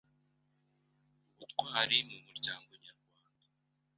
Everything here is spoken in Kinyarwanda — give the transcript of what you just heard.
ubutwari mu muryango nyarwanda.